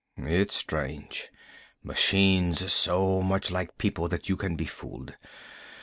"It's strange, machines so much like people that you can be fooled.